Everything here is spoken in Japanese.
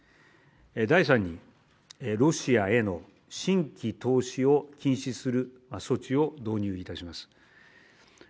第３に、ロシアへの新規投資を禁止する措置を導入いたします。